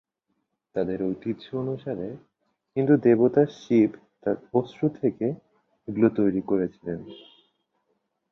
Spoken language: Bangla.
তাদের ঐতিহ্য অনুসারে, হিন্দু দেবতা শিব তাঁর অশ্রু থেকে এগুলি তৈরি করেছিলেন।